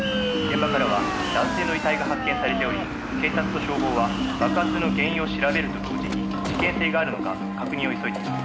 「現場からは男性の遺体が発見されており警察と消防は爆発の原因を調べると同時に事件性があるのか確認を急いでいます」